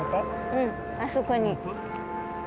うんあそこに。